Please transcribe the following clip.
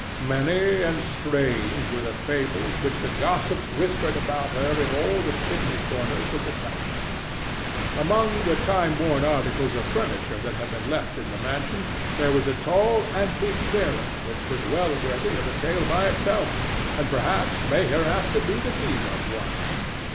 Many and strange were the fables which the gossips whispered about her in all the chimney corners of the town. Among the time worn articles of furniture that had been left in the mansion, there was a tall antique mirror which was well worthy of a tale by itself, and perhaps may hereafter be the theme of one.